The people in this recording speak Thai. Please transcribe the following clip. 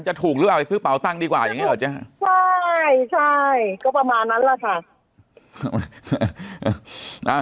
จะถูกหรือเปล่าไปซื้อเป่าตังค์ดีกว่าอย่างนี้หรอเจ๊ใช่ใช่ก็ประมาณนั้นแหละค่ะ